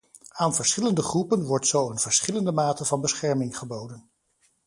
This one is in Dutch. Aan verschillende groepen wordt zo een verschillende mate van bescherming geboden.